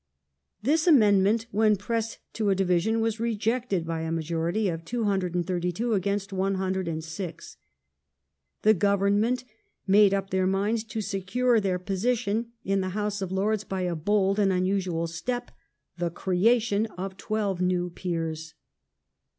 This amendment, when pressed to a division, was rejected by a majority of 232 against 106. The Government made up their minds to secure their position in the House of Lords by a bold and unusual step — the creation of twelve new peers.